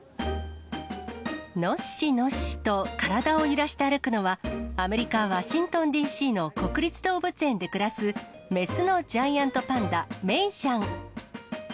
のっしのっしと体を揺らして歩くのは、アメリカ・ワシントンＤＣの国立動物園で暮らす雌のジャイアントパンダ、メイシャン。